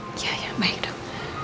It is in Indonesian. iya ya baik dok